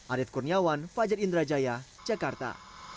arief kurniawan fajar indrajaya jakarta